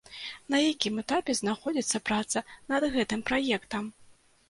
На якім этапе знаходзіцца праца над гэтым праектам?